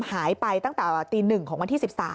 หายไปตั้งแต่ตี๑ของวันที่๑๓